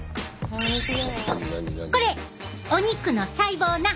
これお肉の細胞な！